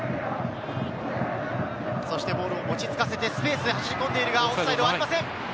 ボールを落ち着かせてスペースに走り込んでいるが、オフサイドはありません。